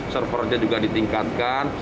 servernya juga ditingkatkan